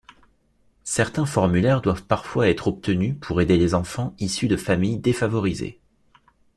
Certains formulaires doivent parfois être obtenus pour aider les enfants issus de familles défavorisées.